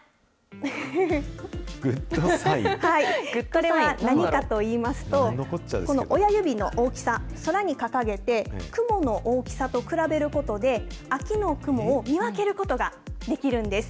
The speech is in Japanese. これは何かといいますと、これ、親指の大きさ、空に掲げて、雲の大きさと比べることで、秋の雲を見分けることができるんです。